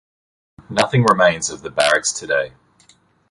Nothing remains of the barracks today.